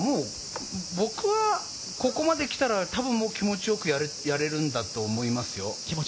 僕はここまできたら多分もう気持ちよくやれるんだと思いますよ。